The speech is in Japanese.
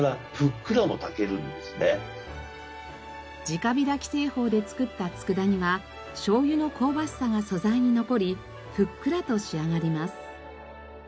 直火炊き製法で作った佃煮は醤油の香ばしさが素材に残りふっくらと仕上がります。